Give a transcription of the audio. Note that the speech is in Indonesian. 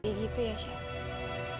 jadi gitu ya syed